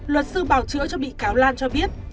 luật sư bảo chữa cho bị cáo lan cho biết